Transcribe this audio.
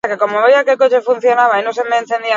Doanekoa izango da sarrera lekua bete arte.